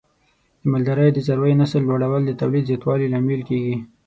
د مالدارۍ د څارویو نسل لوړول د تولید زیاتوالي لامل کېږي.